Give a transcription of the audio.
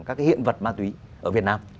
các hiện vật ma túy ở việt nam